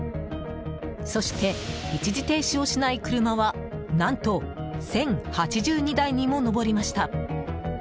そして、一時停止をしない車は何と１０８２台にも上りました。